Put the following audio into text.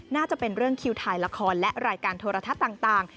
น่าจะเป็นเรื่องคิวถ่ายละครและรายการโทรทัศน์ต่าง